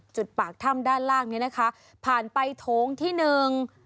ปากถ้ำด้านล่างเนี้ยนะคะผ่านไปโถงที่หนึ่ง